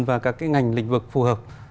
và các ngành lĩnh vực phù hợp